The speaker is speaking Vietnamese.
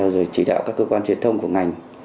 rồi chỉ đạo các cơ quan truyền thông của ngành